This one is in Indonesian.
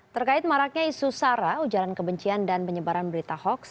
terkait maraknya isu sara ujaran kebencian dan penyebaran berita hoax